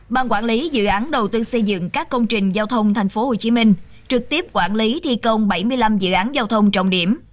ban quản lý dự án đầu tư xây dựng các công trình giao thông tp hcm trực tiếp quản lý thi công bảy mươi năm dự án giao thông trọng điểm